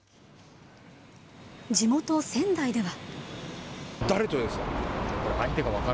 地元、仙台では。